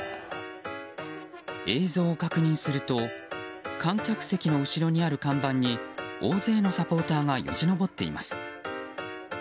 映像を確認すると観客席の後ろにある看板に大勢のサポーターがよじ登っています。